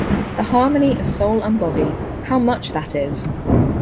The harmony of soul and body — how much that is!